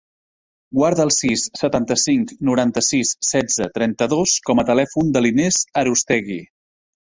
Guarda el sis, setanta-cinc, noranta-sis, setze, trenta-dos com a telèfon de l'Inès Arostegui.